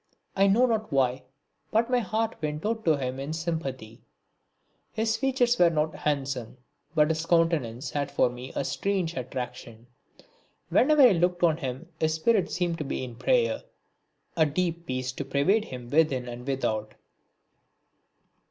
I know not why, but my heart went out to him in sympathy. His features were not handsome, but his countenance had for me a strange attraction. Whenever I looked on him his spirit seemed to be in prayer, a deep peace to pervade him within and without.